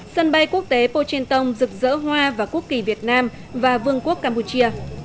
sân bay quốc tế pochentong rực rỡ hoa vào quốc kỳ việt nam và vương quốc campuchia